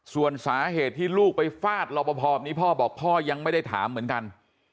ส่วนสาเหตุที่ลูกไปฟาดรอปภแบบนี้พ่อบอกพ่อยังไม่ได้ถามเหมือนกัน